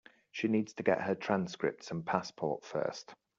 She needs to get her transcripts and passport first.